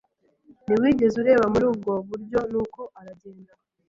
Ntiwigeze ureba muri ubwo buryo nuko aragenda